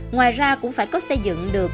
ngoài ra cũng phải có xây dựng được